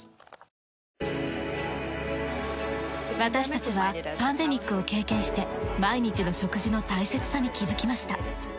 私たちはパンデミックを経験して毎日の食事の大切さに気づきました。